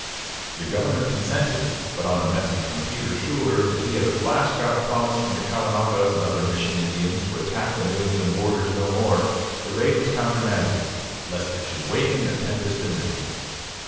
The governor consented; but on a message from Peter Schuyler that he had at last got a promise from the Caughnawagas and other mission Indians to attack the New England borders no more, the raid was countermanded, lest it should waken the tempest anew.